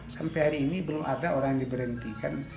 sampai hari ini belum ada orang yang diberhentikan